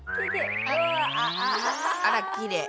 あらきれい。